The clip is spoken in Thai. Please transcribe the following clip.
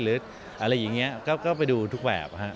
หรืออะไรอย่างนี้ก็ไปดูทุกแบบ